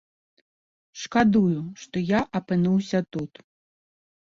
Шкадую, што я апынуўся тут.